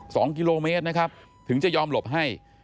สองกิโลเมตรนะครับถึงจะยอมหลบให้